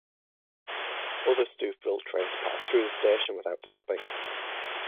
Other Stouffville trains pass through the station without stopping.